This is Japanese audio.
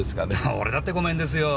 俺だってご免ですよ。